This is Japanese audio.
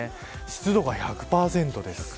湿度が１００％です。